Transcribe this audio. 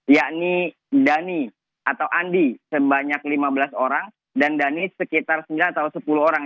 yakni dhani atau andi sebanyak lima belas orang dan dhani sekitar sembilan atau sepuluh orang